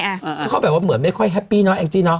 ที่เขาแบบว่าแโน่นไม่ค่อยเฮปปีเนอะ